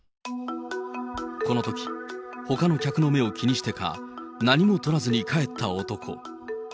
このとき、ほかの客の目を気にしてか、何もとらずに帰った男。